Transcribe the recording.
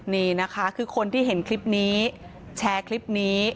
นี่นะคะคือคนที่เห็นคลิปนี้แชร์คลิปนี้